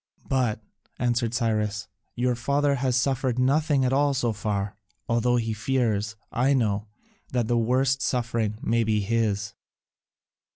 "But," answered Cyrus, "your father has suffered nothing at all so far: although he fears, I know, that the worst suffering may be his."